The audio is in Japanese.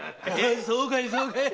そうかいそうかい！